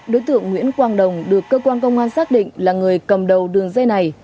đối tượng nguyễn quang đồng được cơ quan công an xác định là người cầm đầu đường dây này